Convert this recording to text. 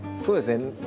そうですね。